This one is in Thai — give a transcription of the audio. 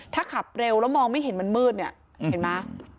ถ้าขับเร็วแล้วมองไม่เห็นมันมืดเนี่ยเห็นไหม